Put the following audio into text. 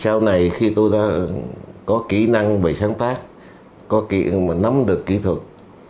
sau này khi tôi đã có kỹ năng về sáng tác có kiện mà nắm được kỹ thuật